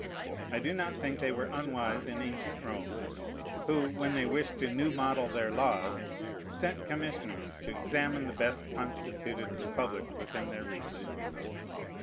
I do not think they were unwise in ancient Rome, who, when they wished to new model their laws, sent commissioners to examine the best constituted republics within their reach.